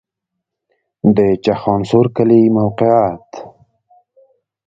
د چخانسور کلی موقعیت